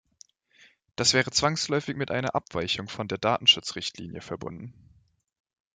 Das wäre zwangsläufig mit einer Abweichung von der Datenschutzrichtlinie verbunden.